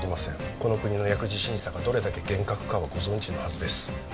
この国の薬事審査がどれだけ厳格かはご存じのはずです